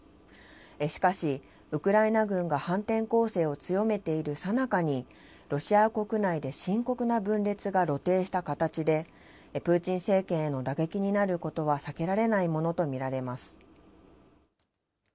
しかし、ウクライナ軍が反転攻勢を強めているさなかに、ロシア国内で深刻な分裂が露呈した形で、プーチン政権への打撃になることは避けられないものと見られます。